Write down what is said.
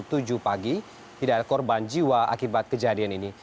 pukul tujuh pagi tidak ada korban jiwa akibat kejadian ini